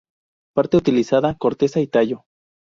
Parte utilizada: Corteza y tallo.